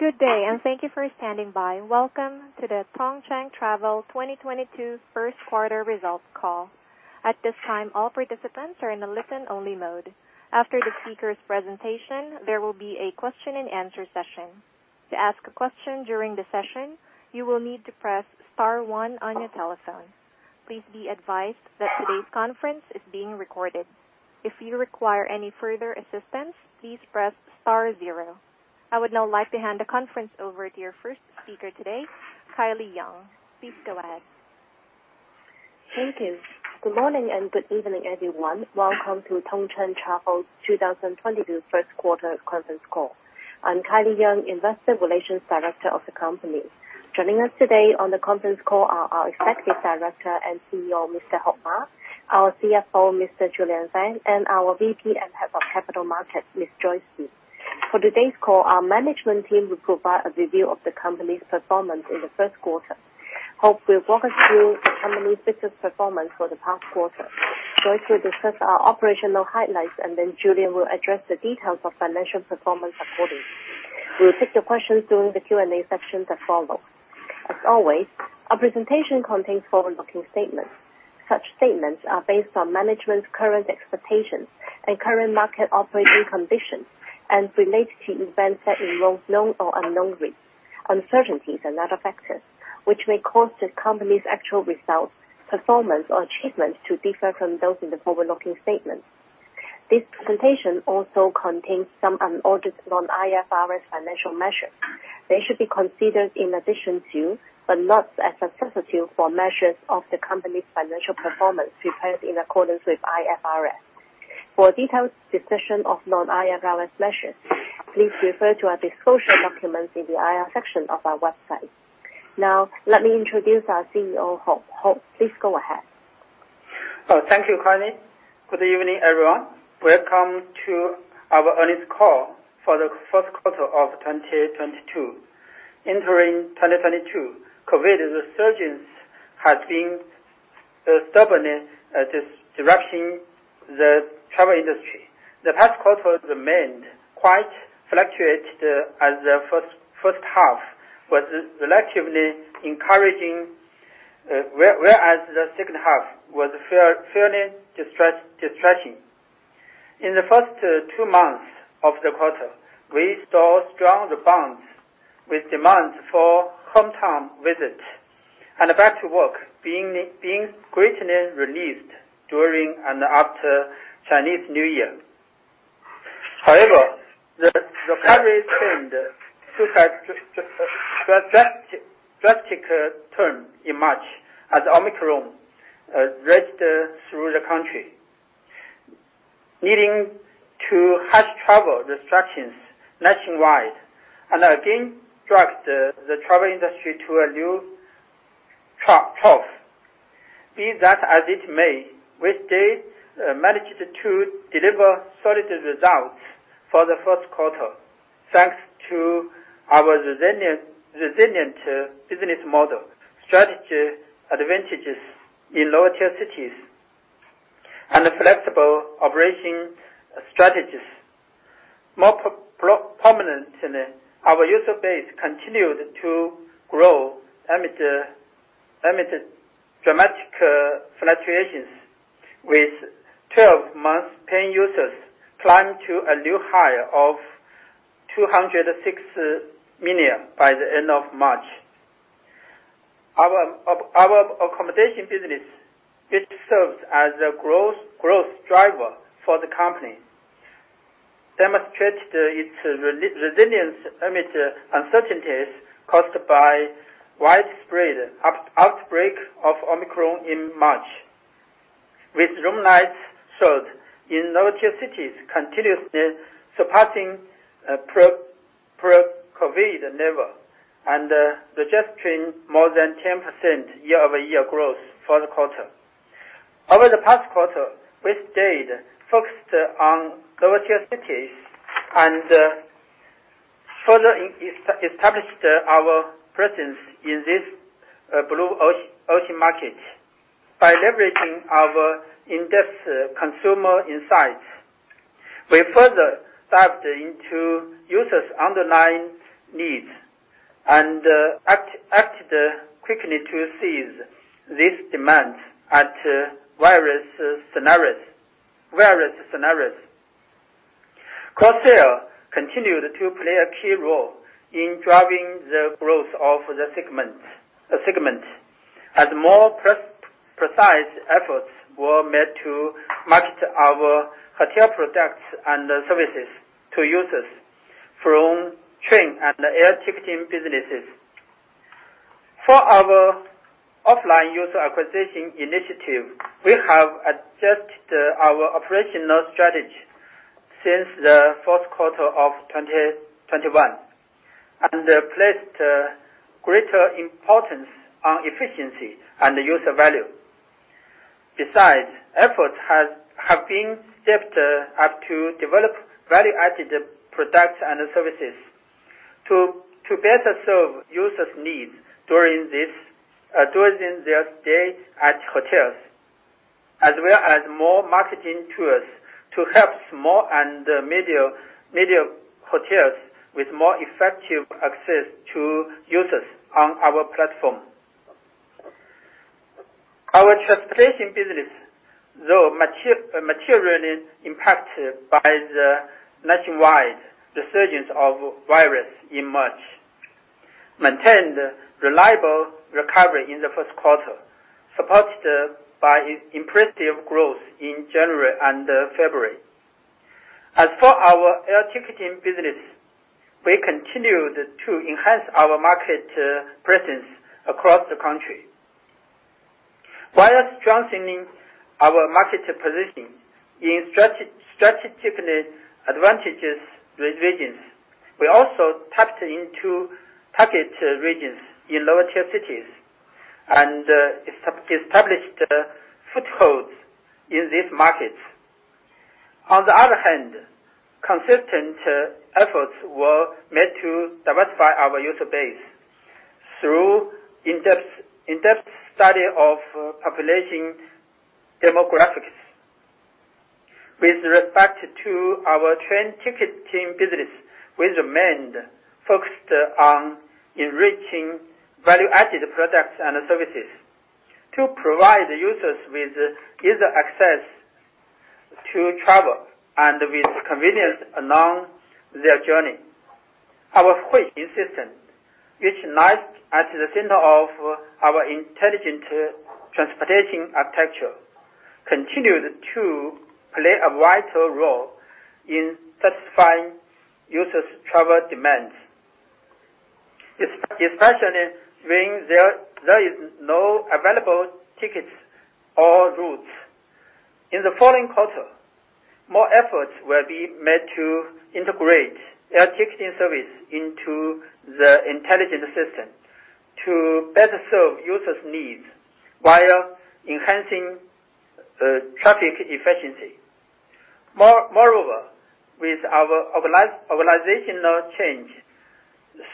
Good day, and thank you for standing by. Welcome to the Tongcheng Travel 2022 first quarter results call. At this time, all participants are in a listen-only mode. After the speaker's presentation, there will be a question and answer session. To ask a question during the session, you will need to press star one on your telephone. Please be advised that today's conference is being recorded. If you require any further assistance, please press star zero. I would now like to hand the conference over to your first speaker today, Kylie Yeung. Please go ahead. Thank you. Good morning and good evening, everyone. Welcome to Tongcheng Travel's 2022 first quarter conference call. I'm Kylie Yeung, Investor Relations Director of the company. Joining us today on the conference call are our Executive Director and CEO, Mr. Heping Ma, our CFO, Mr. Julian Fan, and our VP and Head of Capital Markets, Ms. Joyce Li. For today's call, our management team will provide a review of the company's performance in the first quarter. Heping will walk us through the company's business performance for the past quarter. Joyce will discuss our operational highlights, and then Julian will address the details of financial performance accordingly. We will take your questions during the Q&A section that follows. As always, our presentation contains forward-looking statements. Such statements are based on management's current expectations and current market operating conditions and relate to events that involve known or unknown risks, uncertainties and other factors, which may cause the company's actual results, performance or achievements to differ from those in the forward-looking statements. This presentation also contains some unaudited non-IFRS financial measures. They should be considered in addition to, but not as a substitute for, measures of the company's financial performance prepared in accordance with IFRS. For a detailed discussion of non-IFRS measures, please refer to our disclosure documents in the IR section of our website. Now, let me introduce our CEO, Heping Ma. Heping Ma, please go ahead. Oh, thank you, Kylie. Good evening, everyone. Welcome to our earnings call for the first quarter of 2022. Entering 2022, COVID resurgence has been stubbornly disrupting the travel industry. The past quarter remained quite fluctuated as the first half was relatively encouraging, whereas the second half was fairly distressing. In the first two months of the quarter, we saw strong bounce, with demands for hometown visits and back to work being greatly released during and after Chinese New Year. However, the recovery trend took a drastic turn in March as Omicron raged through the country, leading to harsh travel restrictions nationwide and again dragged the travel industry to a new trough. Be that as it may, we managed to deliver solid results for the first quarter, thanks to our resilient business model, strategy advantages in lower-tier cities and flexible operating strategies. More prominently, our user base continued to grow amid dramatic fluctuations with 12-months paying users climbing to a new high of 206 million by the end of March. Our accommodation business, which serves as the growth driver for the company, demonstrated its resilience amid uncertainties caused by widespread outbreak of Omicron in March, with room nights sold in lower-tier cities continuously surpassing pre-COVID level and suggesting more than 10% year-over-year growth for the quarter. Over the past quarter, we stayed focused on lower-tier cities and further established our presence in this blue ocean market. By leveraging our in-depth consumer insights, we further dived into users' underlying needs and acted quickly to seize these demands at various scenarios. Cross-sale continued to play a key role in driving the growth of the segment as more precise efforts were made to market our hotel products and services to users from train and air ticketing businesses. For our offline user acquisition initiative, we have adjusted our operational strategy since the fourth quarter of 2021 and placed greater importance on efficiency and user value. Besides, efforts have been stepped up to develop value-added products and services to better serve users' needs during their stay at hotels, as well as more marketing tools to help small and medium hotels with more effective access to users on our platform. Our transportation business, though materially impacted by the nationwide resurgence of virus in March, maintained reliable recovery in the first quarter, supported by impressive growth in January and February. As for our air ticketing business, we continued to enhance our market presence across the country. While strengthening our market position in strategically advantageous regions, we also tapped into target regions in lower-tier cities and established footholds in these markets. On the other hand, consistent efforts were made to diversify our user base through in-depth study of population demographics. With respect to our train ticketing business, we remained focused on enriching value-added products and services to provide users with easy access to travel and with convenience along their journey. Our Huixing system, which lies at the center of our intelligent transportation architecture, continued to play a vital role in satisfying users' travel demands, especially when there is no available tickets or routes. In the following quarter, more efforts will be made to integrate air ticketing service into the intelligent system to better serve users' needs while enhancing traffic efficiency. Moreover, with our organizational change,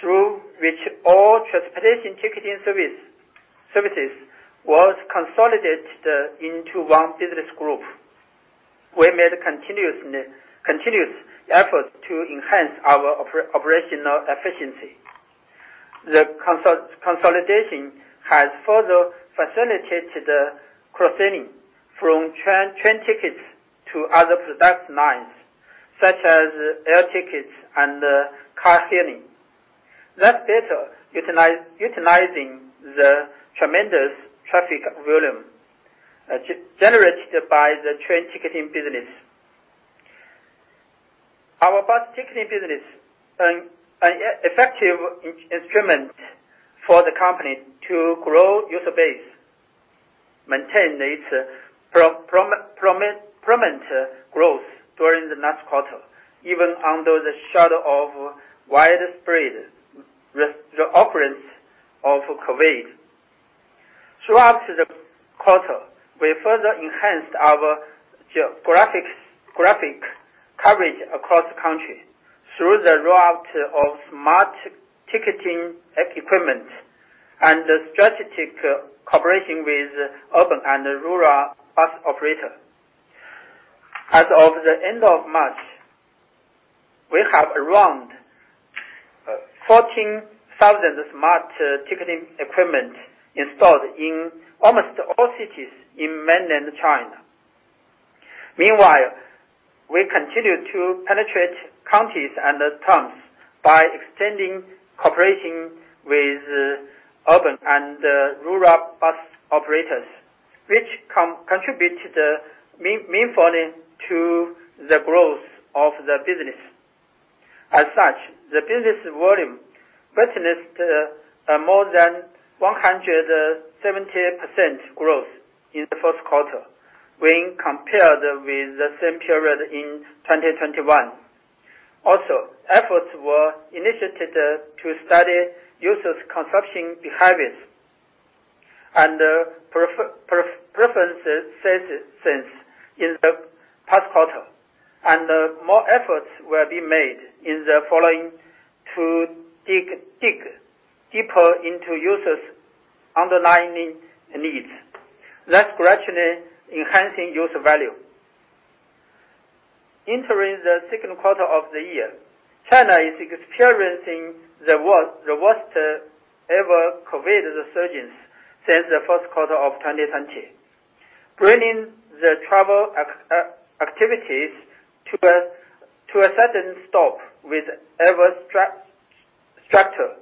through which all transportation ticketing services was consolidated into one business group, we made a continuous effort to enhance our operational efficiency. The consolidation has further facilitated the cross-selling from train tickets to other product lines, such as air tickets and car sharing. That's better utilizing the tremendous traffic volume generated by the train ticketing business. Our bus ticketing business, an effective instrument for the company to grow user base, maintained its prominent growth during the last quarter, even under the shadow of widespread resurgence of COVID. Throughout the quarter, we further enhanced our geographic coverage across the country through the rollout of smart ticketing equipment and strategic cooperation with urban and rural bus operator. As of the end of March, we have around 14,000 smart ticketing equipment installed in almost all cities in mainland China. Meanwhile, we continue to penetrate counties and towns by extending cooperation with urban and rural bus operators, which contribute meaningfully to the growth of the business. As such, the business volume witnessed more than 170% growth in the first quarter when compared with the same period in 2021. Efforts were initiated to study users' consumption behaviors and preferences since in the past quarter, and more efforts will be made in the following to dig deeper into users' underlying needs, thus gradually enhancing user value. Entering the second quarter of the year, China is experiencing the worst ever COVID resurgence since the first quarter of 2020, bringing the travel activities to a sudden stop with ever stricter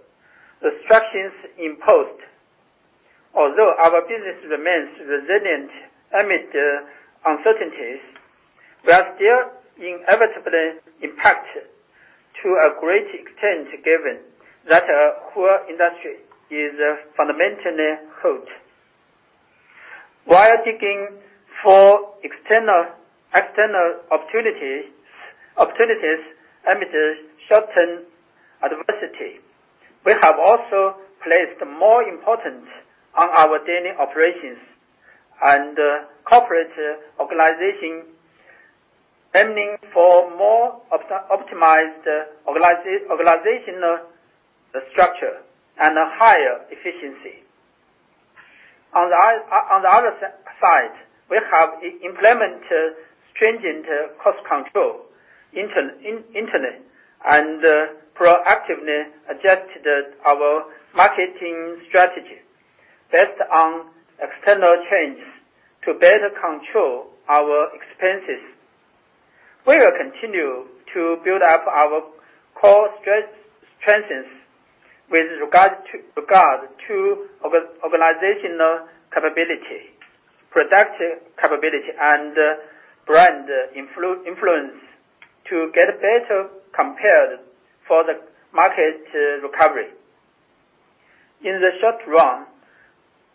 restrictions imposed. Although our business remains resilient amid uncertainties, we are still inevitably impacted to a great extent, given that our whole industry is fundamentally hurt. While digging for external opportunities amid short-term adversity, we have also placed more importance on our daily operations and corporate organization. Aiming for more optimized organizational structure and a higher efficiency. On the other side, we have implemented stringent cost control in internet and proactively adjusted our marketing strategy based on external changes to better control our expenses. We will continue to build up our core strengths with regard to organizational capability, product capability, and brand influence to get better prepared for the market recovery. In the short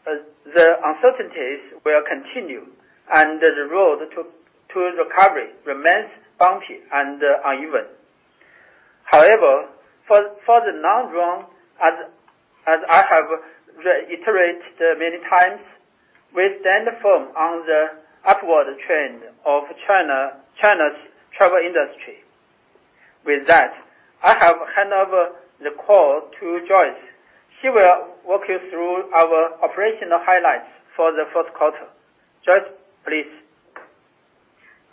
run, the uncertainties will continue and the road to recovery remains bumpy and uneven. However, for the long run, as I have reiterated many times, we stand firm on the upward trend of China's travel industry. With that, I have handed over the call to Joyce. She will walk you through our operational highlights for the first quarter. Joyce, please.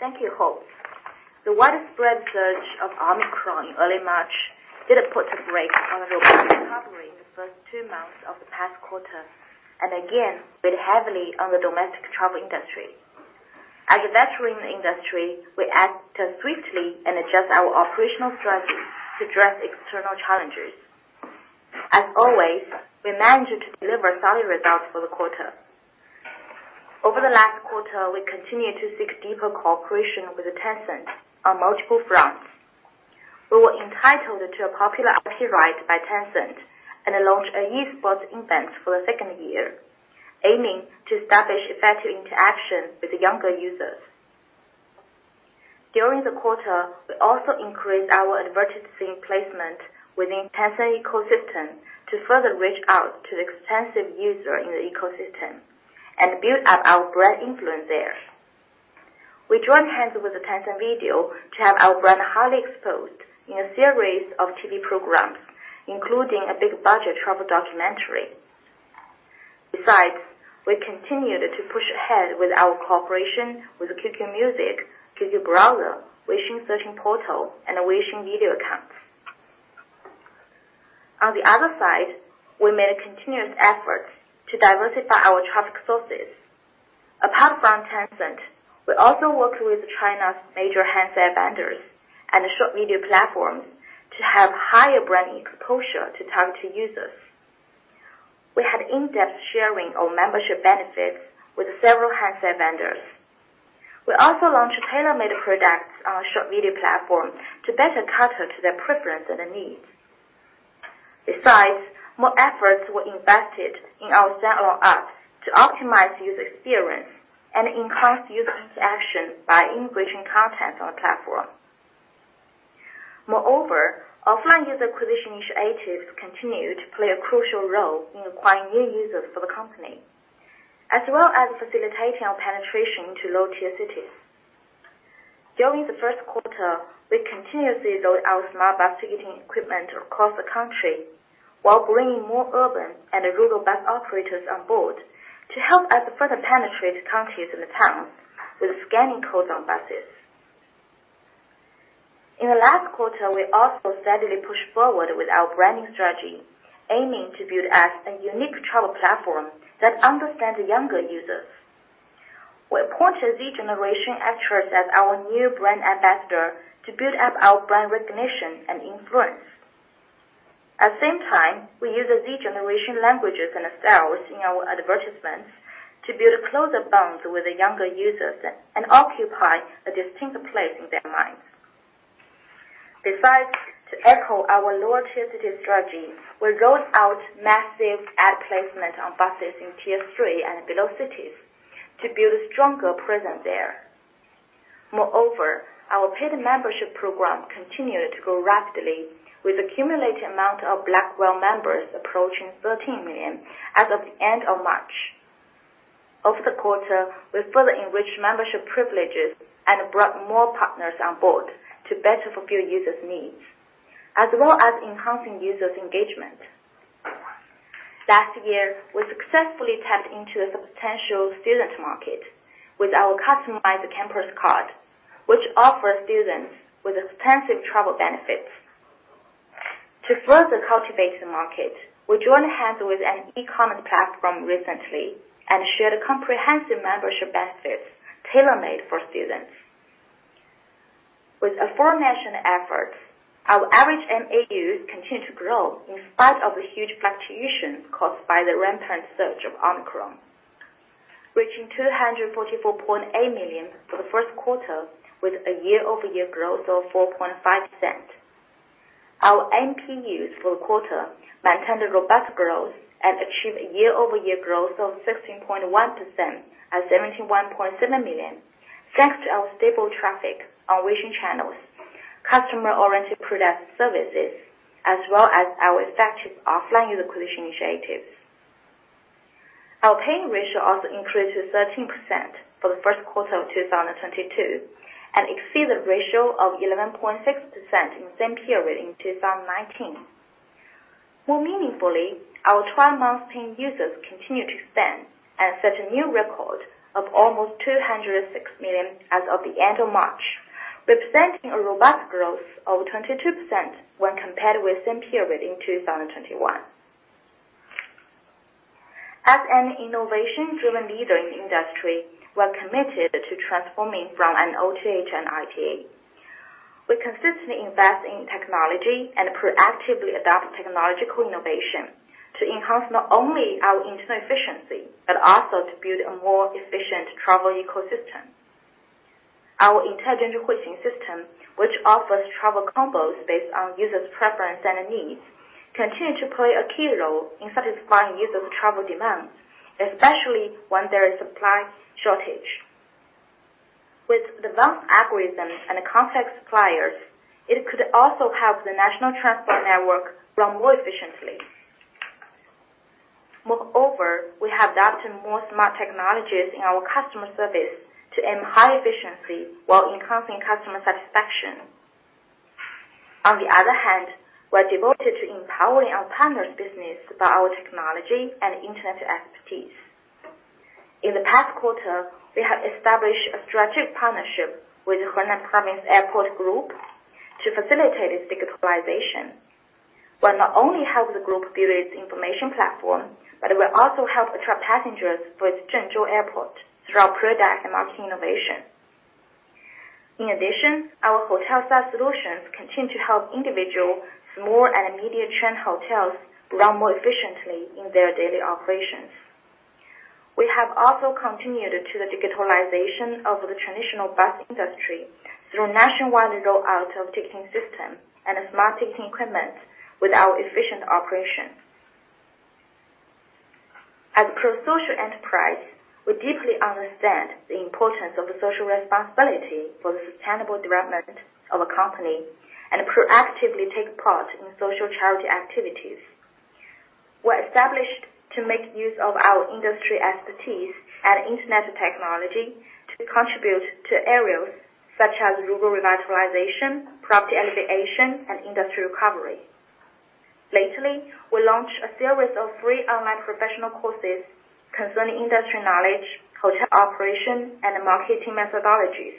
Thank you, Heping. The widespread surge of Omicron in early March did put a break on the recovery in the first two months of the past quarter and again, weighed heavily on the domestic travel industry. As a veteran in the industry, we acted swiftly and adjust our operational strategy to address external challenges. As always, we managed to deliver solid results for the quarter. Over the last quarter, we continued to seek deeper cooperation with Tencent on multiple fronts. We were entitled to a popular IP right by Tencent, and launched a esports event for the second year, aiming to establish effective interaction with the younger users. During the quarter, we also increased our advertising placement within Tencent ecosystem to further reach out to the extensive user in the ecosystem and build up our brand influence there. We joined hands with Tencent Video to have our brand highly exposed in a series of TV programs, including a big-budget travel documentary. Besides, we continued to push ahead with our cooperation with QQ Music, QQ Browser, Weixin searching portal and Weixin video accounts. On the other side, we made a continuous effort to diversify our traffic sources. Apart from Tencent, we also worked with China's major handset vendors and short video platforms to have higher branding exposure to targeted users. We had in-depth sharing of membership benefits with several handset vendors. We also launched tailor-made products on our short video platform to better cater to their preference and their needs. Besides, more efforts were invested in our Tongcheng app to optimize user experience and enhance user interaction by enriching content on the platform. Moreover, offline user acquisition initiatives continued to play a crucial role in acquiring new users for the company, as well as facilitating our penetration to lower-tier cities. During the first quarter, we continuously load our smart bus ticketing equipment across the country, while bringing more urban and rural bus operators on board to help us further penetrate counties and the towns with scanning codes on buses. In the last quarter, we also steadily pushed forward with our branding strategy, aiming to build us a unique travel platform that understands younger users. We appointed Generation Z actress as our new brand ambassador to build up our brand recognition and influence. At the same time, we use a Generation Z languages and styles in our advertisements to build closer bonds with the younger users and occupy a distinct place in their minds. Besides, to echo our lower-tier city strategy, we rolled out massive ad placement on buses in tier three and below cities to build a stronger presence there. Moreover, our paid membership program continued to grow rapidly with accumulated amount of Black Whale members approaching 13 million as of the end of March. Over the quarter, we further enriched membership privileges and brought more partners on board to better fulfill users' needs, as well as enhancing users' engagement. Last year, we successfully tapped into the potential student market with our customized campus card, which offers students with extensive travel benefits. To further cultivate the market, we joined hands with an e-commerce platform recently and shared comprehensive membership benefits tailor-made for students. With aforementioned efforts, our average MAUs continued to grow in spite of the huge fluctuation caused by the rampant surge of Omicron, reaching 244.8 million for the first quarter with a year-over-year growth of 4.5%. Our MPUs for the quarter maintained a robust growth and achieved a year-over-year growth of 16.1% at 71.7 million, thanks to our stable traffic on Weixin channels, customer-oriented product services, as well as our effective offline user acquisition initiatives. Our paying ratio also increased to 13% for the first quarter of 2022, and exceed the ratio of 11.6% in the same period in 2019. More meaningfully, our 12-month paying users continued to expand and set a new record of almost 206 million as of the end of March, representing a robust growth of 22% when compared with same period in 2021. As an innovation-driven leader in the industry, we're committed to transforming from an OTA to an ITA. We consistently invest in technology and proactively adopt technological innovation to enhance not only our internal efficiency, but also to build a more efficient travel ecosystem. Our intelligent Huixing system, which offers travel combos based on users' preference and needs, continues to play a key role in satisfying users' travel demands, especially when there is supply shortage. With advanced algorithms and complex suppliers, it could also help the national transport network run more efficiently. Moreover, we have adapted more smart technologies in our customer service to aim high efficiency while enhancing customer satisfaction. On the other hand, we are devoted to empowering our partners' business by our technology and internet expertise. In the past quarter, we have established a strategic partnership with Hunan Airport Management Group to facilitate its digitalization. Which will not only help the group build its information platform, but it will also help attract passengers for its Changsha Airport through our product and market innovation. In addition, our hotel-style solutions continue to help individual small and medium chain hotels run more efficiently in their daily operations. We have also continued to the digitalization of the traditional bus industry through nationwide rollout of ticketing system and smart ticketing equipment with our efficient operation. As pro-social enterprise, we deeply understand the importance of the social responsibility for the sustainable development of a company, and proactively take part in social charity activities. We're established to make use of our industry expertise and internet technology to contribute to areas such as rural revitalization, poverty alleviation, and industry recovery. Lately, we launched a series of free online professional courses concerning industry knowledge, hotel operation, and marketing methodologies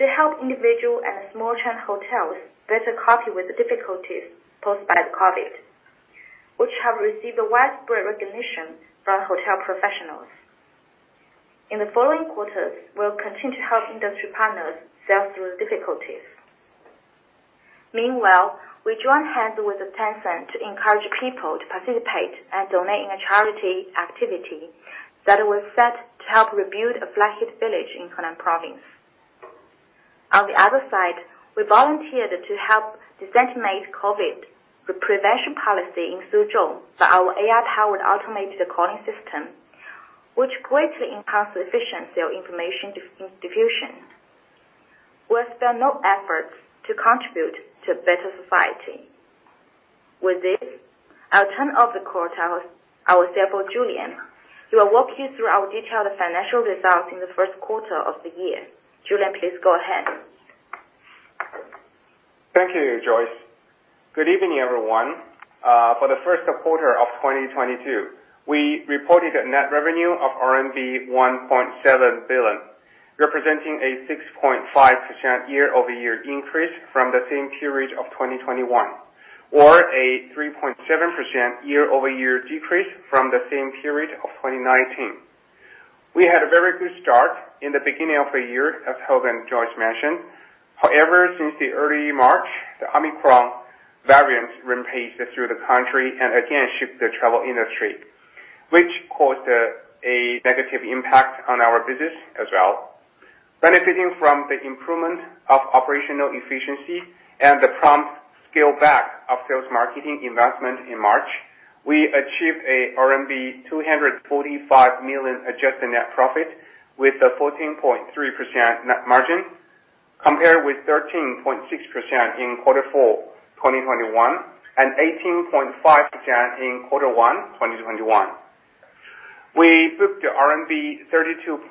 to help individual and small chain hotels better cope with the difficulties posed by the COVID, which have received a widespread recognition from hotel professionals. In the following quarters, we'll continue to help industry partners sail through the difficulties. Meanwhile, we join hands with Tencent to encourage people to participate and donate in a charity activity that was set to help rebuild a flood-hit village in Hunan Province. On the other side, we volunteered to help disseminate COVID, the prevention policy in Suzhou for our AI-powered automated calling system, which greatly enhanced the efficiency of information diffusion. We spare no efforts to contribute to a better society. With this, I'll turn over the call to our CFO, Julian, who will walk you through our detailed financial results in the first quarter of the year. Julian, please go ahead. Thank you, Joyce. Good evening, everyone. For the first quarter of 2022, we reported a net revenue of RMB 1.7 billion, representing a 6.5% year-over-year increase from the same period of 2021, or a 3.7% year-over-year decrease from the same period of 2019. We had a very good start in the beginning of the year, as Heping and Joyce mentioned. However, since the early March, the Omicron variant rampaged through the country and again shook the travel industry, which caused a negative impact on our business as well. Benefiting from the improvement of operational efficiency and the prompt scale back of sales marketing investment in March, we achieved a RMB 245 million adjusted net profit with a 14.3% net margin compared with 13.6% in quarter four, 2021 and 18.5% in quarter one, 2021. We booked the RMB 32.4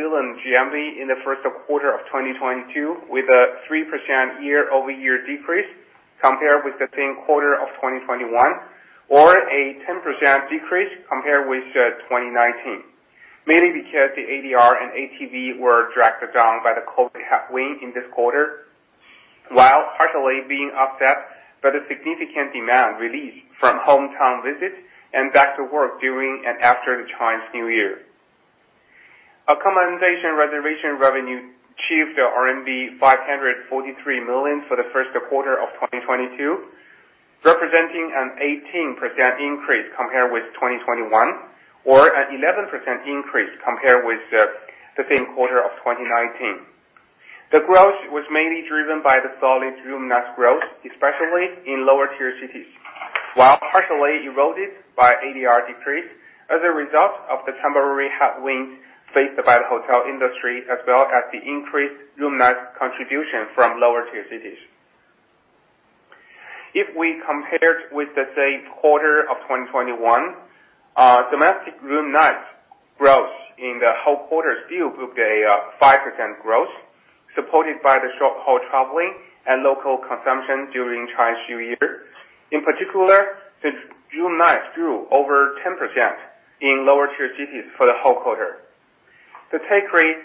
billion GMV in the first quarter of 2022, with a 3% year-over-year decrease compared with the same quarter of 2021, or a 10% decrease compared with 2019. Mainly because the ADR and ATV were dragged down by the COVID headwind in this quarter, while partially being offset by the significant demand released from hometown visits and back to work during and after the Chinese New Year. Accommodation reservation revenue achieved RMB 543 million for the first quarter of 2022, representing an 18% increase compared with 2021, or an 11% increase compared with the same quarter of 2019. The growth was mainly driven by the solid room nights growth, especially in lower-tier cities, while partially eroded by ADR decrease as a result of the temporary headwinds faced by the hotel industry, as well as the increased room nights contribution from lower-tier cities. If we compare with, let's say, quarter of 2021, domestic room nights growth in the whole quarter still booked a 5% growth supported by the short-haul traveling and local consumption during Chinese New Year. In particular, the room nights grew over 10% in lower-tier cities for the whole quarter. The take rate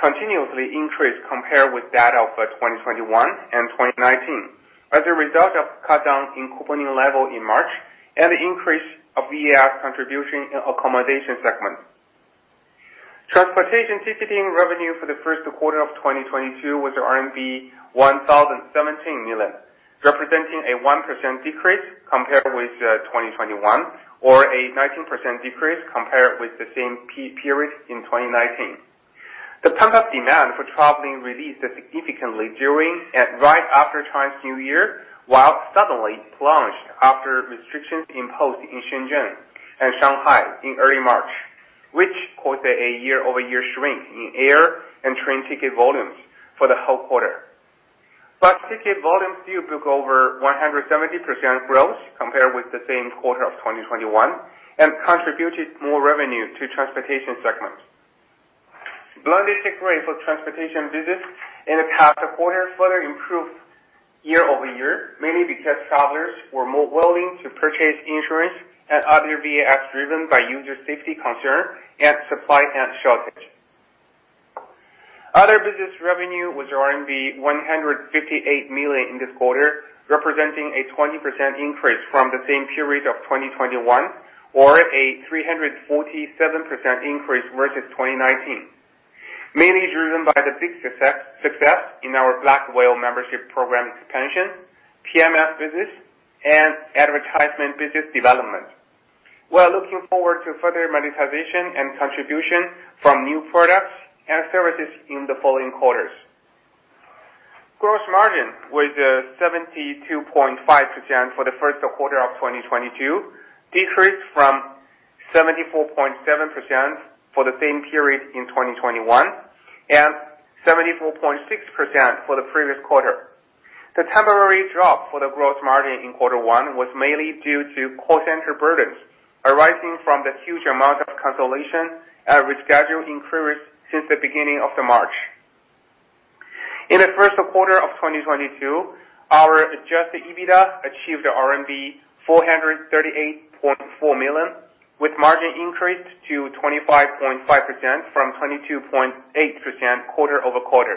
continuously increased compared with that of 2021 and 2019 as a result of cutdown in couponing level in March and the increase of VAS contribution in accommodation segment. Transportation TCT revenue for the first quarter of 2022 was RMB 1,017 million, representing a 1% decrease compared with 2021 or a 19% decrease compared with the same period in 2019. The pent-up demand for traveling released significantly during and right after Chinese New Year, while suddenly plunged after restrictions imposed in Shenzhen and Shanghai in early March, which caused a year-over-year shrink in air and train ticket volumes for the whole quarter. Ticket volumes still booked over 170% growth compared with the same quarter of 2021 and contributed more revenue to transportation segment. Blended take rate for transportation business in the past quarter further improved year-over-year, mainly because travelers were more willing to purchase insurance and other VAS driven by user safety concern and supply shortage. Other business revenue was RMB 158 million in this quarter, representing a 20% increase from the same period of 2021 or a 347% increase versus 2019, mainly driven by the big success in our Black Whale membership program expansion, PMS business, and advertisement business development. We're looking forward to further monetization and contribution from new products and services in the following quarters. Gross margin was 72.5% for the first quarter of 2022, decreased from 74.7% for the same period in 2021 and 74.6% for the previous quarter. The temporary drop for the gross margin in quarter one was mainly due to call center burdens arising from the huge amount of consolidation and reschedule inquiries since the beginning of March. In the first quarter of 2022, our adjusted EBITDA achieved RMB 438.4 million, with margin increased to 25.5% from 22.8% quarter-over-quarter,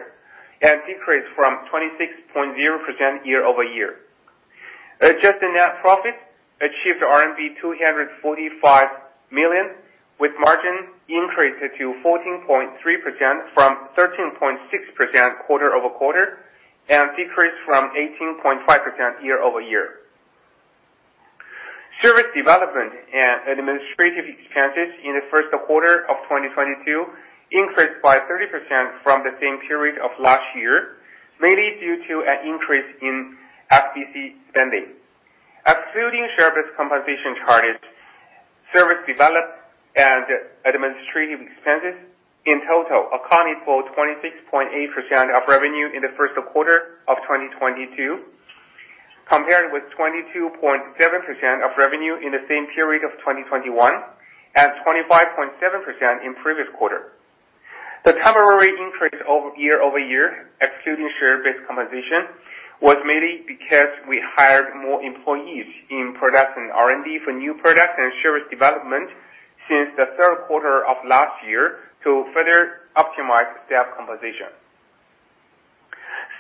and decreased from 26.0% year-over-year. Adjusted net profit achieved RMB 245 million with margin increased to 14.3% from 13.6% quarter-over-quarter and decreased from 18.5% year-over-year. Service development and administrative expenses in the first quarter of 2022 increased by 30% from the same period of last year, mainly due to an increase in FTC spending. Excluding share-based compensation charges, selling, general and administrative expenses in total accounted for 26.8% of revenue in the first quarter of 2022, compared with 22.7% of revenue in the same period of 2021 and 25.7% in previous quarter. The temporary increase year-over-year, excluding share-based compensation, was mainly because we hired more employees in product and R&D for new product and service development since the third quarter of last year to further optimize staff composition.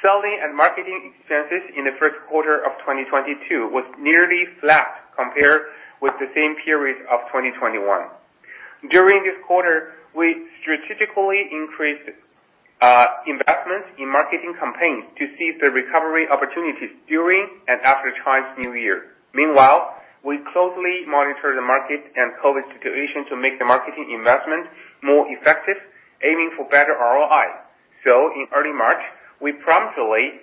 Selling and marketing expenses in the first quarter of 2022 was nearly flat compared with the same period of 2021. During this quarter, we strategically increased investments in marketing campaigns to seize the recovery opportunities during and after Chinese New Year. Meanwhile, we closely monitor the market and COVID situation to make the marketing investment more effective, aiming for better ROI. In early March, we promptly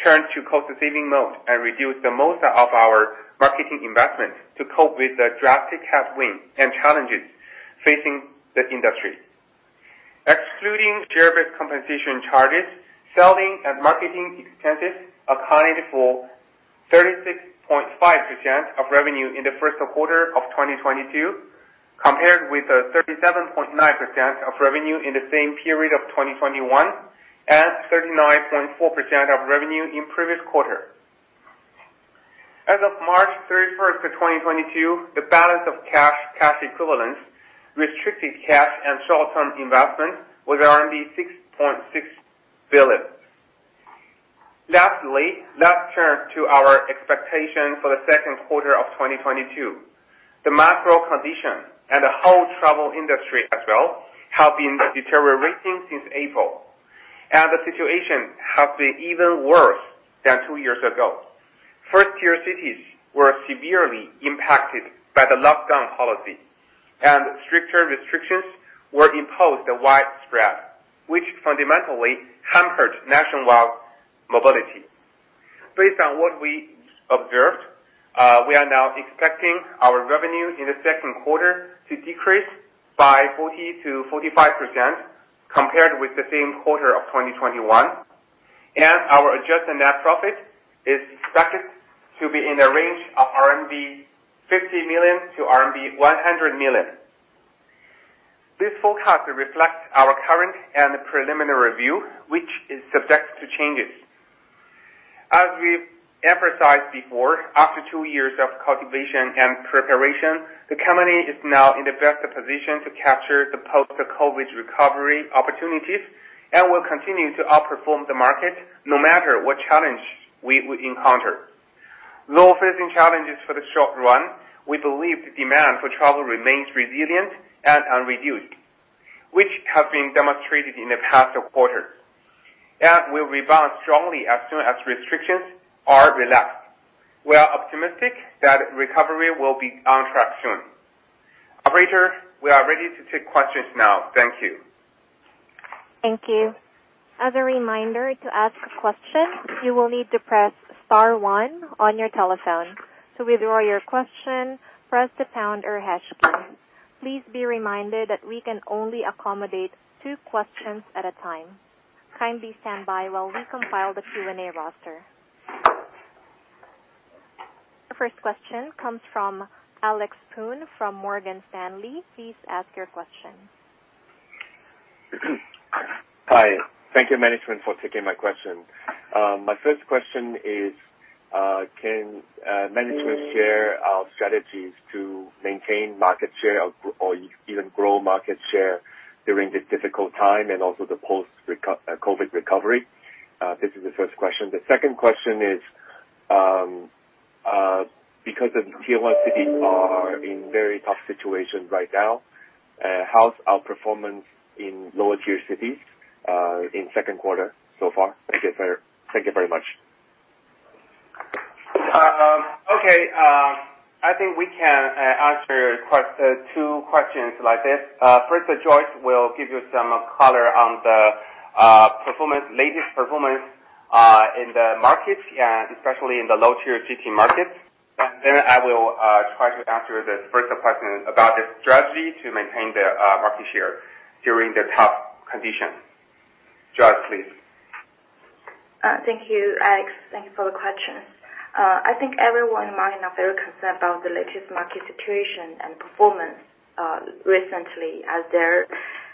turned to cost-saving mode and reduced most of our marketing investment to cope with the drastic headwind and challenges facing the industry. Excluding share-based compensation charges, selling and marketing expenses accounted for 36.5% of revenue in the first quarter of 2022, compared with 37.9% of revenue in the same period of 2021 and 39.4% of revenue in previous quarter. As of March 31st, 2022, the balance of cash equivalents, restricted cash and short-term investment was 6.6 billion. Lastly, let's turn to our expectation for the second quarter of 2022. The macro condition and the whole travel industry as well have been deteriorating since April, and the situation has been even worse than two years ago. First-tier cities were severely impacted by the lockdown policy, and stricter restrictions were imposed and widespread, which fundamentally hampered nationwide mobility. Based on what we observed, we are now expecting our revenue in the second quarter to decrease by 40%-45% compared with the same quarter of 2021. Our adjusted net profit is expected to be in a range of 50 million-100 million RMB. This forecast reflects our current and preliminary review, which is subject to changes. As we emphasized before, after two years of cultivation and preparation, the company is now in the best position to capture the post-COVID recovery opportunities and will continue to outperform the market no matter what challenge we will encounter. Though facing challenges for the short run, we believe demand for travel remains resilient and unreduced, which has been demonstrated in the past quarter, and will rebound strongly as soon as restrictions are relaxed. We are optimistic that recovery will be on track soon. Operator, we are ready to take questions now. Thank you. Thank you. As a reminder, to ask a question, you will need to press star one on your telephone. To withdraw your question, press the pound or hash key. Please be reminded that we can only accommodate two questions at a time. Kindly stand by while we compile the Q&A roster. The first question comes from Alex Poon from Morgan Stanley. Please ask your question. Hi. Thank you, management, for taking my question. My first question is, can management share our strategies to maintain market share or even grow market share during this difficult time and also the post-COVID recovery? This is the first question. The second question is, because the tier-one cities are in very tough situations right now, how's our performance in lower-tier cities in second quarter so far? Thank you very much. Okay. I think we can answer two questions like this. First, Joyce will give you some color on the latest performance in the markets and especially in the low-tier city markets. Then I will try to answer the first question about the strategy to maintain the market share during the tough condition. Joyce, please. Thank you, Alex. Thank you for the question. I think everyone might not be concerned about the latest market situation and performance recently as there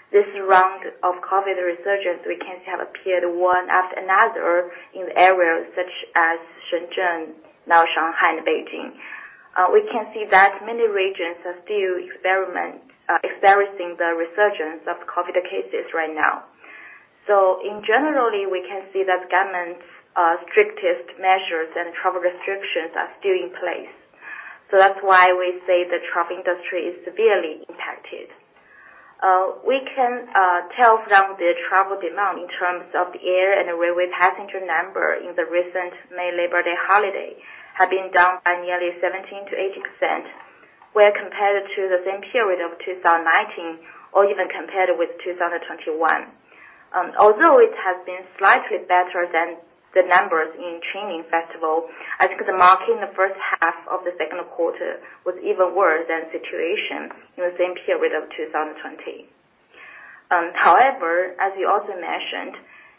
this round of COVID resurgence which have appeared one after another in areas such as Shenzhen, now Shanghai and Beijing. We can see that many regions are still experiencing the resurgence of COVID cases right now. In general, we can see that government's strictest measures and travel restrictions are still in place. That's why we say the travel industry is severely impacted. We can tell from the travel demand in terms of air and railway passenger number in the recent May Labor Day holiday have been down by nearly 17%-18% when compared to the same period of 2019 or even compared with 2021. Although it has been slightly better than the numbers in Spring Festival, I think the market in the first half of the second quarter was even worse than the situation in the same period of 2020. However, as you also mentioned,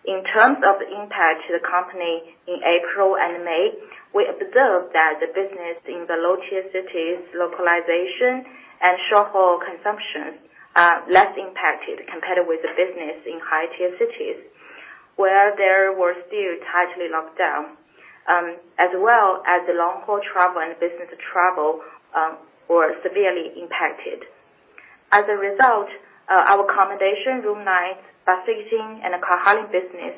in terms of impact to the company in April and May, we observed that the business in the low-tier cities, local tourism and short-haul consumption are less impacted compared with the business in high-tier cities, where there were still tight lockdowns, as well as the long-haul travel and business travel, were severely impacted. As a result, our accommodation, room nights, bus leasing and car hailing business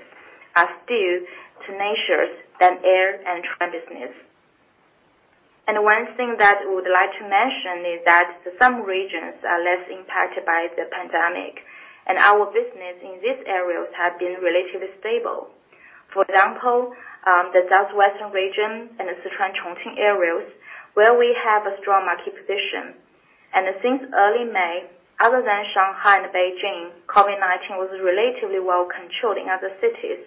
are still more tenacious than air and train business. One thing that we would like to mention is that some regions are less impacted by the pandemic, and our business in these areas have been relatively stable. For example, the Southwestern region and the Sichuan-Chongqing areas, where we have a strong market position. Since early May, other than Shanghai and Beijing, COVID-19 was relatively well controlled in other cities.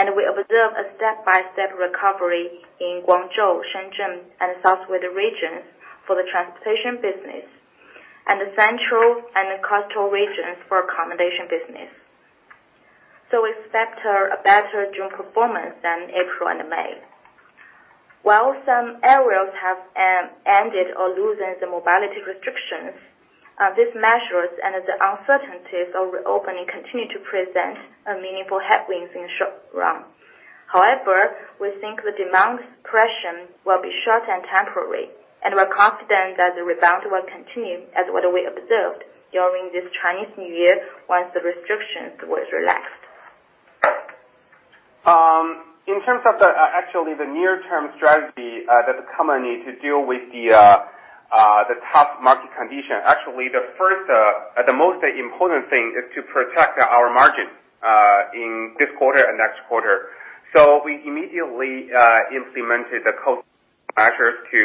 We observed a step-by-step recovery in Guangzhou, Shenzhen and Southwest regions for the transportation business and the central and coastal regions for accommodation business. We expect a better June performance than April and May. While some areas have ended or loosened the mobility restrictions, these measures and the uncertainties of reopening continue to present meaningful headwinds in the short run. However, we think the demand suppression will be short and temporary, and we're confident that the rebound will continue as what we observed during this Chinese New Year once the restrictions was relaxed. In terms of the near-term strategy that the company to deal with the tough market condition, the most important thing is to protect our margin in this quarter and next quarter. We immediately implemented the cost measures to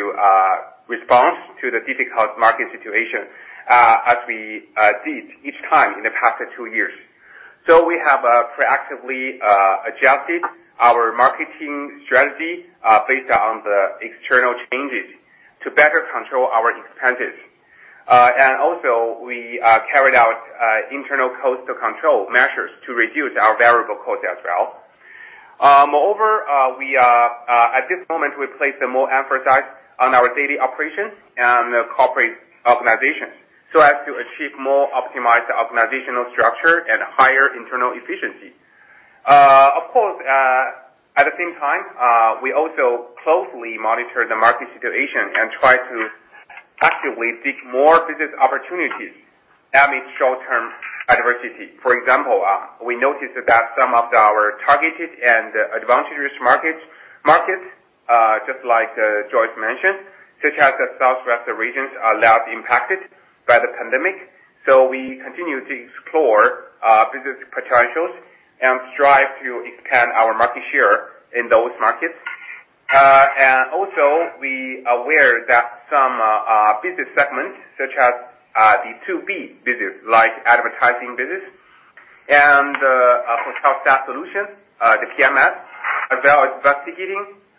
respond to the difficult market situation, as we did each time in the past two years. We have proactively adjusted our marketing strategy based on the external changes to better control our expenses. We carried out internal cost control measures to reduce our variable cost as well. At this moment, we place more emphasis on our daily operations and the corporate organization so as to achieve more optimized organizational structure and higher internal efficiency. Of course, at the same time, we also closely monitor the market situation and try to actively seek more business opportunities amid short-term adversity. For example, we noticed that some of our targeted and advantageous markets, just like Joyce mentioned, such as the Southwest regions are less impacted by the pandemic. We continue to explore business potentials and strive to expand our market share in those markets. We are aware that some business segments, such as the 2B business, like advertising business and hotel SaaS solution, the PMS, as well as SaaS,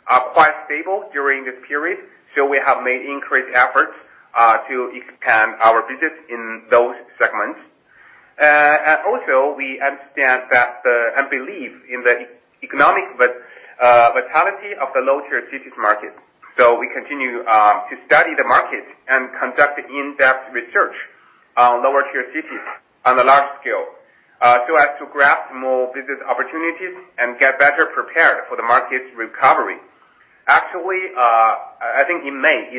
are quite stable during this period. We have made increased efforts to expand our business in those segments. We understand that and believe in the economic vitality of the lower-tier cities market. We continue to study the market and conduct in-depth research on lower-tier cities on a large scale, so as to grasp more business opportunities and get better prepared for the market's recovery. Actually, I think in May,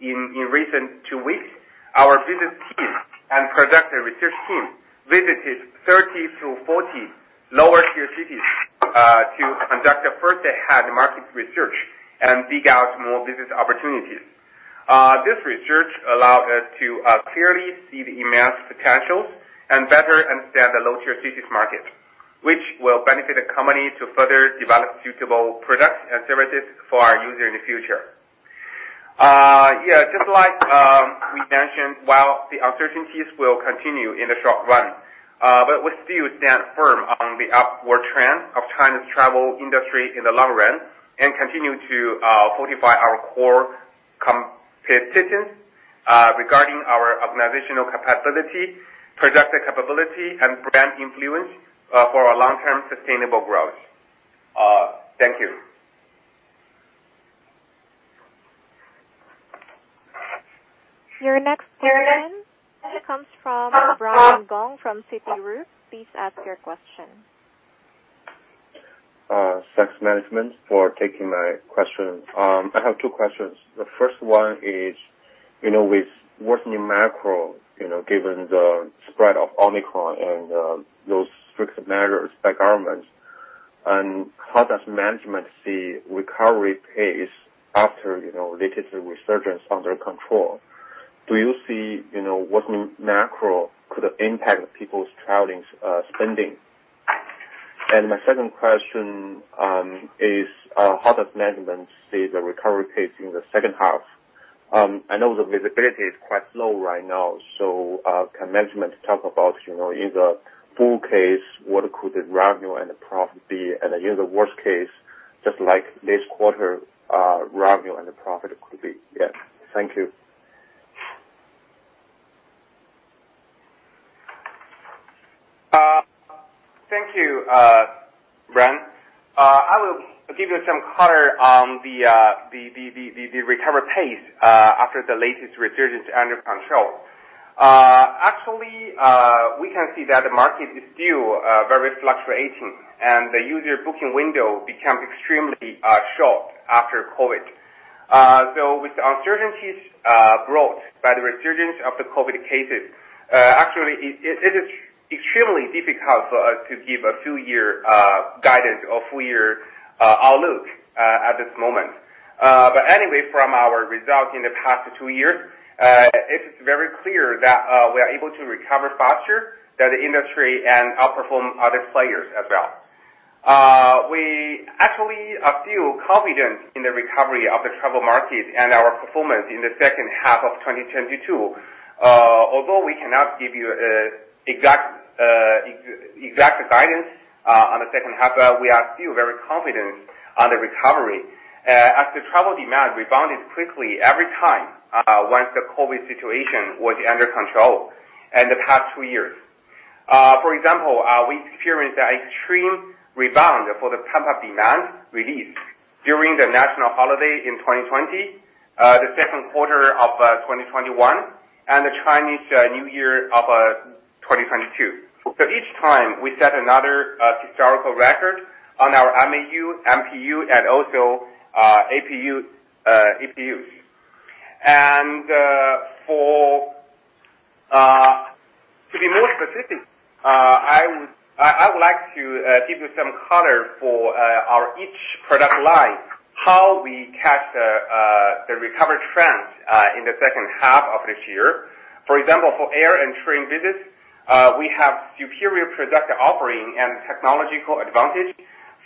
in recent two weeks, our business team and product research team visited 30-40 lower-tier cities to conduct a first-hand market research and dig out more business opportunities. This research allowed us to clearly see the immense potentials and better understand the lower-tier cities market, which will benefit the company to further develop suitable products and services for our user in the future. Yeah, just like we mentioned, while the uncertainties will continue in the short run, but we still stand firm on the upward trend of China's travel industry in the long run and continue to fortify our core competencies, regarding our organizational capacity, product capability and brand influence, for our long-term sustainable growth. Thank you. Your next question comes from Brian Gong from Citigroup. Please ask your question. Thanks management, for taking my question. I have two questions. The first one is, you know, with worsening macro, you know, given the spread of Omicron and those strict measures by governments, and how does management see recovery pace after, you know, latest resurgence under control? Do you see, you know, worsening macro could impact people's traveling spending? My second question is, how does management see the recovery pace in the second half? I know the visibility is quite low right now, so can management talk about, you know, in the full case, what could the revenue and the profit be, and in the worst case, just like this quarter, revenue and the profit could be? Yes. Thank you. Thank you, Brian. I will give you some color on the recovery pace after the latest resurgence under control. Actually, we can see that the market is still very fluctuating and the user booking window became extremely short after COVID. With the uncertainties brought by the resurgence of the COVID cases, actually it is extremely difficult for us to give a full year guidance or full year outlook at this moment. Anyway, from our results in the past two years, it is very clear that we are able to recover faster than the industry and outperform other players as well. We actually feel confident in the recovery of the travel market and our performance in the second half of 2022. Although we cannot give you an exact guidance on the second half, we are still very confident on the recovery, as the travel demand rebounded quickly every time once the COVID situation was under control in the past two years. For example, we experienced an extreme rebound for the pent-up demand release during the national holiday in 2020, the second quarter of 2021 and the Chinese New Year of 2022. For each time, we set another historical record on our MAU, MPU and also APUs. To be more specific, I would like to give you some color for each of our product lines, how we catch the recovery trends in the second half of this year. For example, for air and train business, we have superior product offering and technological advantage.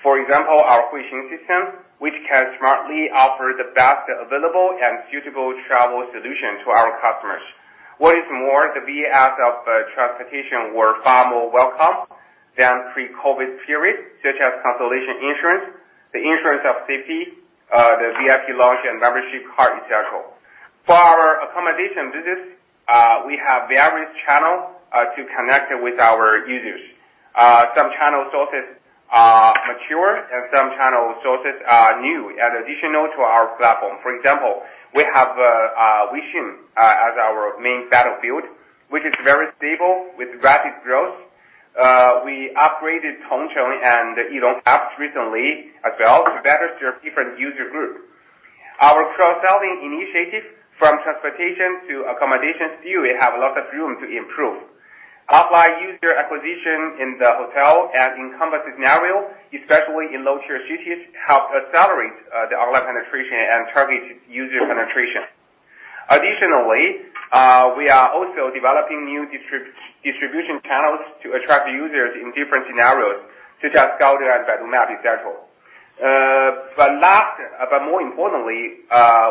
For example, our Huixing system, which can smartly offer the best available and suitable travel solution to our customers. What is more, the benefits of transportation were far more welcome than pre-COVID period, such as cancellation insurance. The insurance of safety, the VIP lounge and membership card, et cetera. For our accommodation business, we have various channels to connect with our users. Some channel sources are mature and some channel sources are new and additional to our platform. For example, we have Weixin as our main battlefield, which is very stable with rapid growth. We upgraded Tongcheng and eLong apps recently as well to better serve different user group. Our cross-selling initiative from transportation to accommodation still we have a lot of room to improve. Offline user acquisition in the hotel and accommodation scenario, especially in lower-tier cities, helps accelerate the online penetration and target user penetration. Additionally, we are also developing new distribution channels to attract users in different scenarios such as Gaode and Baidu Map, et cetera. More importantly,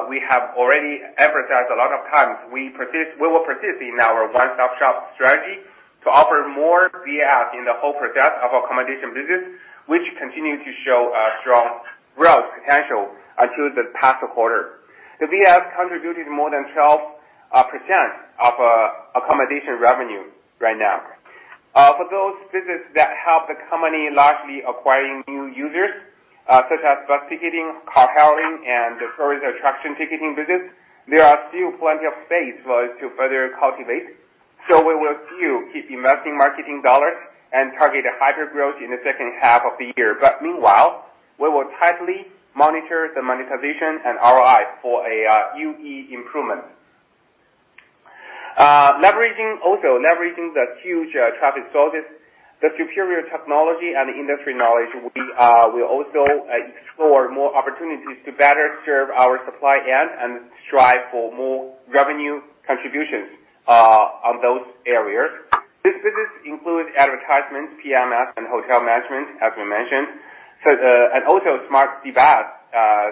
we have already emphasized a lot of times we will persist in our one-stop-shop strategy to offer more VAS in the whole process of accommodation business, which continue to show a strong growth potential in the past quarter. The VAS contributed more than 12% of accommodation revenue right now. For those business that help the company largely acquiring new users, such as bus ticketing, carpooling and the tourist attraction ticketing business, there are still plenty of space for us to further cultivate. We will still keep investing marketing dollars and target a higher growth in the second half of the year. Meanwhile, we will tightly monitor the monetization and ROI for a UE improvement. Leveraging the huge traffic sources, the superior technology and industry knowledge, we will also explore more opportunities to better serve our supply and strive for more revenue contributions on those areas. These businesses include advertisements, PMS and hotel management as we mentioned. Also smart SaaS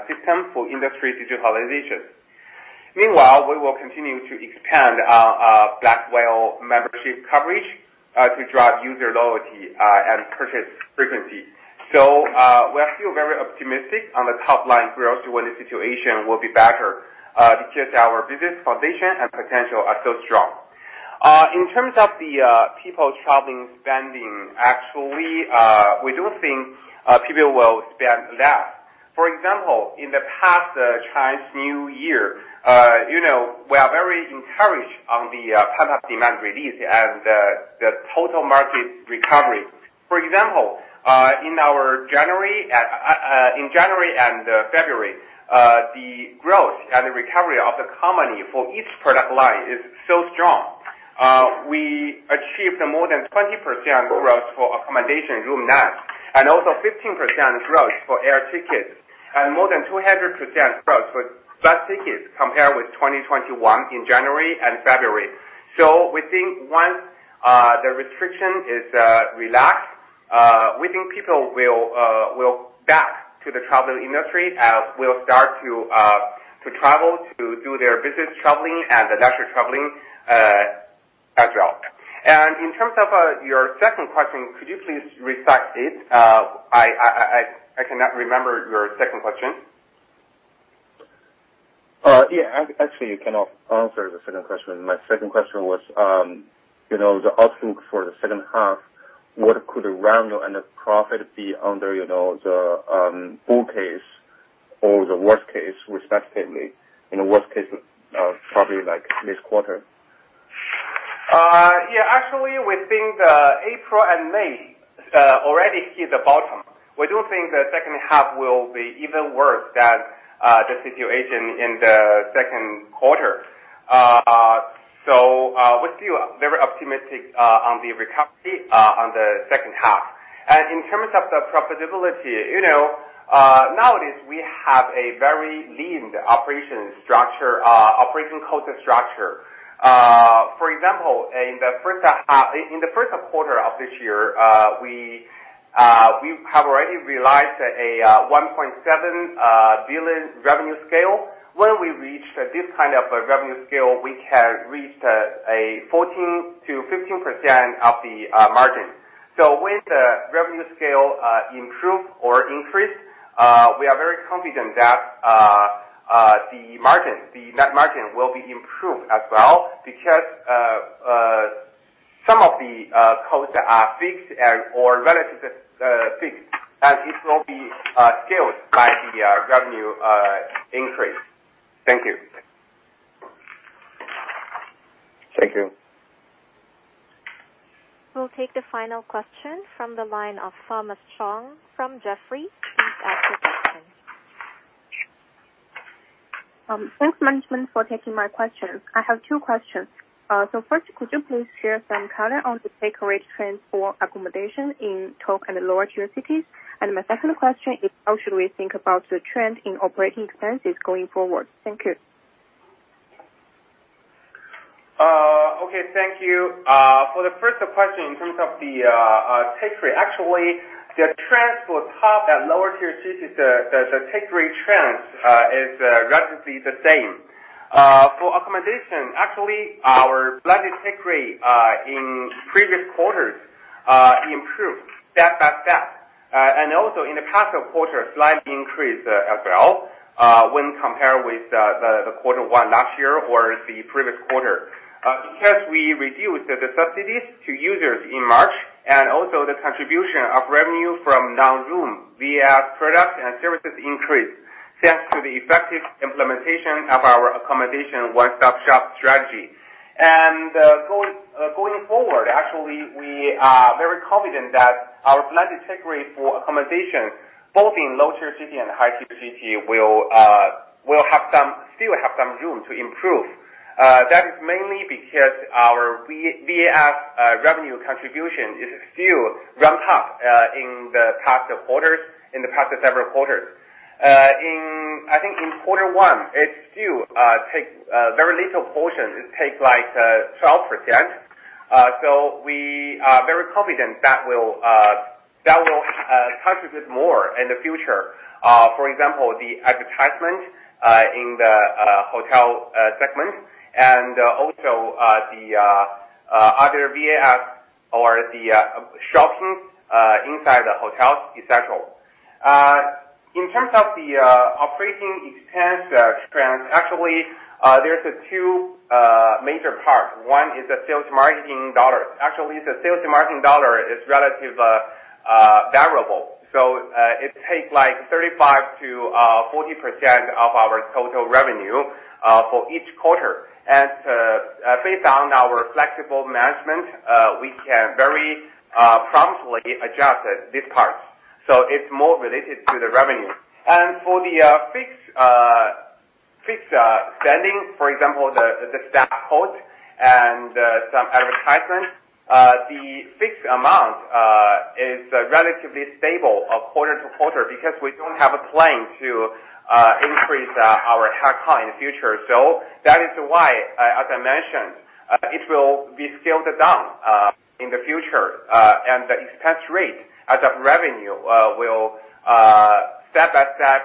system for industry digitalization. Meanwhile, we will continue to expand our Black Whale membership coverage to drive user loyalty and purchase frequency. We are still very optimistic on the top line growth when the situation will be better because our business foundation and potential are so strong. In terms of the people traveling spending, actually, we do think people will spend less. For example, in the past, Chinese New Year, you know, we are very encouraged on the pent-up demand release and the total market recovery. For example, in January and February, the growth and the recovery of the company for each product line is so strong. We achieved more than 20% growth for accommodation room nights, and also 15% growth for air tickets, and more than 200% growth for bus tickets compared with 2021 in January and February. We think once the restriction is relaxed, we think people will come back to the travel industry, will start to travel, to do their business traveling and leisure traveling, as well. In terms of your second question, could you please restate it? I cannot remember your second question. Yeah, actually you can answer the second question. My second question was, you know, the outlook for the second half, what could the revenue and the profit be under, you know, the bull case or the worst case respectively? In a worst case, probably like this quarter. Yeah, actually, we think the April and May already hit the bottom. We don't think the second half will be even worse than the situation in the second quarter. We're still very optimistic on the recovery on the second half. In terms of the profitability, you know, nowadays we have a very lean operation structure, operation cost structure. For example, in the first half, in the first quarter of this year, we have already realized a 1.7 billion revenue scale. When we reach this kind of a revenue scale, we can reach a 14%-15% of the margin. When the revenue scale improve or increase, we are very confident that the margin, the net margin will be improved as well because some of the costs are fixed and/or relatively fixed, and it will be scaled by the revenue increase. Thank you. Thank you. We'll take the final question from the line of Thomas Chong from Jefferies. Please ask your question. Thanks management, for taking my questions. I have two questions. First, could you please share some color on the take rate trend for accommodation in top and lower-tier cities? My second question is how should we think about the trend in operating expenses going forward? Thank you. Okay. Thank you. For the first question in terms of the take rate, actually the trends for top and lower-tier cities, the take rate trend is relatively the same. For accommodation, actually our revenue take rate in previous quarters improved step by step. Also in the past quarter, slight increase as well when compared with the quarter one last year or the previous quarter. Because we reduced the subsidies to users in March and also the contribution of revenue from non-room products and services increased. Thanks to the effective implementation of our accommodation one-stop-shop strategy. Going forward, actually, we are very confident that our revenue take rate for accommodation, both in low-tier city and high-tier city will still have some room to improve. That is mainly because our VAS revenue contribution is still ramped up in the past quarters, in the past several quarters. I think in quarter one, it still take very little portion. It take like 12%. We are very confident that will contribute more in the future. For example, the advertisement in the hotel segment, and also the other VAS or the shopping inside the hotel, et cetera. In terms of the operating expense trends, actually, there's two major part. One is the sales marketing dollars. Actually, the sales marketing dollar is relatively variable. It takes like 35%-40% of our total revenue for each quarter. Based on our flexible management, we can very promptly adjust these parts, so it's more related to the revenue. For the fixed spending, for example, the staff cost and some advertisement, the fixed amount is relatively stable quarter-to-quarter because we don't have a plan to increase our headcount in the future. That is why, as I mentioned, it will be scaled down in the future, and the expense rate as a revenue will step by step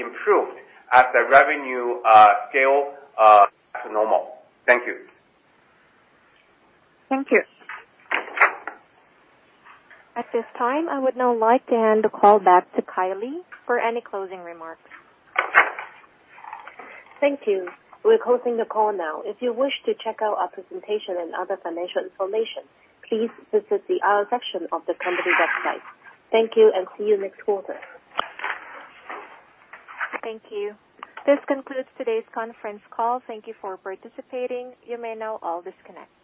improve as the revenue scale to normal. Thank you. Thank you. At this time, I would now like to hand the call back to Kylie for any closing remarks. Thank you. We're closing the call now. If you wish to check out our presentation and other financial information, please visit the IR section of the company website. Thank you, and see you next quarter. Thank you. This concludes today's conference call. Thank you for participating. You may now all disconnect.